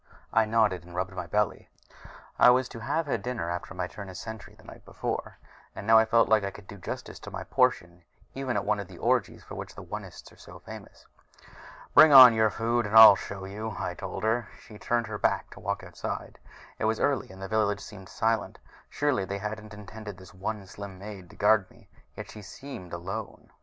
I nodded and rubbed my belly. I was to have had dinner after my turn as sentry the night before, and now I felt like I could do justice to my portion even at one of the orgies for which the Onists are so famous. "Bring on your food and I'll show you," I told her, and she turned her back to walk outside. It was early and the village seemed silent surely they hadn't intended this one slim maid to guard me! Yet she seemed alone.